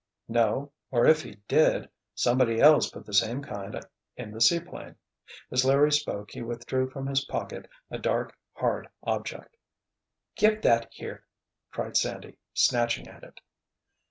"No—or, if he did, somebody else put the same kind in the seaplane." As Larry spoke he withdrew from his pocket a dark, hard object. "Give that here!" cried Sandy, snatching at it.